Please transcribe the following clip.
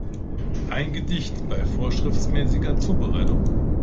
Ein Gedicht bei vorschriftsmäßiger Zubereitung.